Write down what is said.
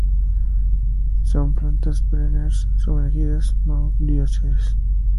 Son plantas perennes sumergidas, monoicas o dioicas.